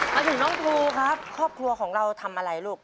มาถึงน้องภูครับครอบครัวของเราทำอะไรลูก